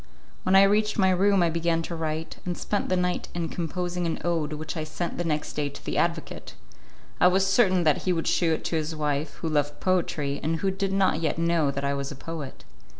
When I reached my room I began to write, and spent the night in composing an ode which I sent the next day to the advocate. I was certain that he would shew it to his wife, who loved poetry, and who did not yet know that I was a poet.